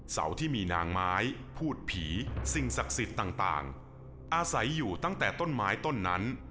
เสาที่มีนางไม้พูดผีสิ่งศักดิ์สิทธิ์ต่างอาศัยอยู่ตั้งแต่ต้นไม้ต้นนั้น